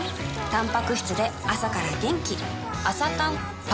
たんぱく質で朝から元気